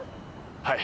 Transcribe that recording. はい。